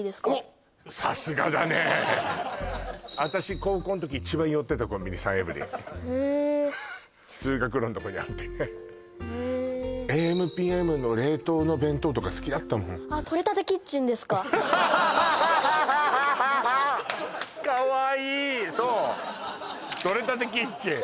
さすがだね私高校の時一番寄ってたコンビニサンエブリーへえ通学路のとこにあってねへえａｍ／ｐｍの冷凍の弁当とか好きだったもんかわいいそうとれたてキッチン